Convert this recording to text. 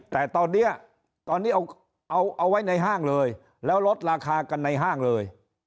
แต่ตอนนี้ตอนนี้เอาเอาไว้ในห้างเลยแล้วลดราคากันในห้างเลย